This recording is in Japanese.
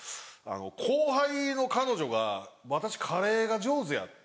後輩の彼女が「私カレーが上手や」。